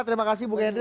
terima kasih bung hendry